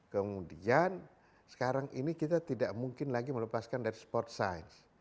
kemudian sekarang ini kita tidak mungkin lagi melepaskan dari sport science